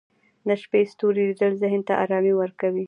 د شپې ستوري لیدل ذهن ته ارامي ورکوي